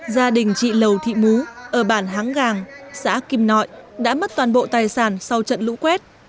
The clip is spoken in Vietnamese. gia đình chị lầu thị mú ở bản háng gàng xã kim nội đã mất toàn bộ tài sản sau trận lũ quét